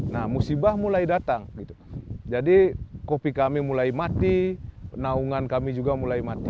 nah musibah mulai datang jadi kopi kami mulai mati naungan kami juga mulai mati